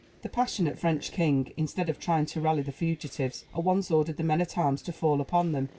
The passionate French king, instead of trying to rally the fugitives, at once ordered the men at arms to fall upon them.